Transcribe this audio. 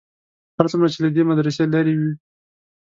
هر څومره چې له دې مدرسې لرې وې.